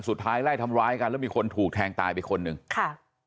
สุดท้ายไล่ทำร้ายกันแล้วมีคนถูกแทงตายไปคนหนึ่งค่ะ